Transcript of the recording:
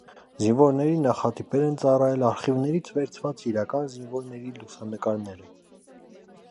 Զինվորների նախատիպեր են ծառայել արխիվներից վերցված իրական զինվորների լուսանկարները։